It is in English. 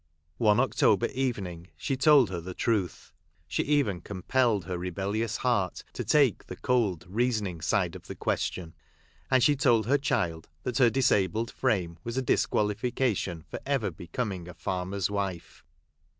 One October evening she told her the truth. She even compelled her rebel lious heart to take the cold, reasoning side of the question ; and she told her child that her disabled frame was a disqualification for ever becoming a farmer's wife.